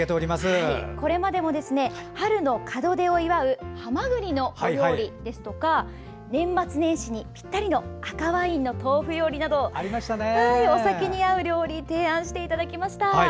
これまでも春の門出を祝うハマグリのお料理ですとか年末年始にぴったりの赤ワインの豆腐料理などお酒に合う料理を提案していただいてきました。